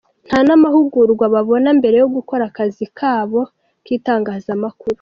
Nta n’amahugurwa babona mbere yo gukora akazi kabo k’itangazamakuru.